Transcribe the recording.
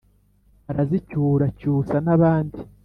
arazicyura cyusa n'abandi